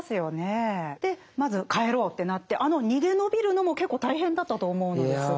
まず帰ろうってなってあの逃げ延びるのも結構大変だったと思うのですが。